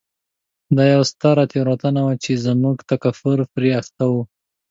دا یوه ستره تېروتنه وه چې زموږ تفکر پرې اخته و.